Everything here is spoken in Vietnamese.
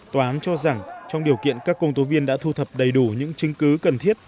tòa án cho rằng trong điều kiện các công tố viên đã thu thập đầy đủ những chứng cứ cần thiết